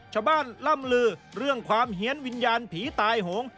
ชาวบ้านล่ำลือเรื่องความเฮียนวิญญาณผีตายหงษ์